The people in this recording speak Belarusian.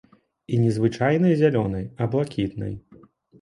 І не звычайнай зялёнай, а блакітнай.